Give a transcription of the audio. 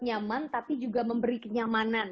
nyaman tapi juga memberi kenyamanan